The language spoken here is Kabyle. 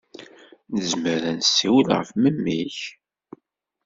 Nezmer ad nessiwel ɣef memmi-k?